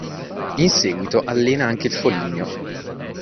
In seguito allena anche il Foligno.